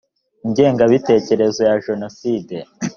icy ingengabitekerezo ya jenoside